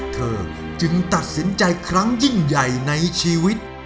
เธอจึงตัดสินใจครั้งยิ่งใหญ่ในชีวิต